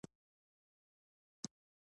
خدای مې دې غاړه نه بندوي.